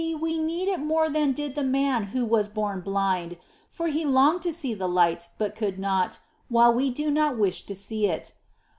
we need it more than did the man who was born blind, for he longed to see the light but could not, while we do not wish to see it.